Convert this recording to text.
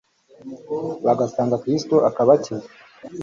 bagasanga Kristo akabakiza